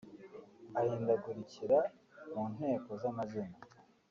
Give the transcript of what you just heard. ahindagurikira mu nteko z’amazina